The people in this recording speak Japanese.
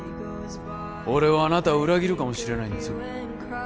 俺はあなたを裏切るかもしれないんですよ